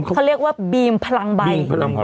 เขาเรียกว่าบีมพลังใบ